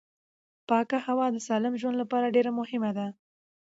پاکه هوا د سالم ژوند لپاره ډېره مهمه ده